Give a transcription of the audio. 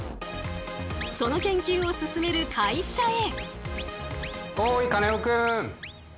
その研究を進める会社へ。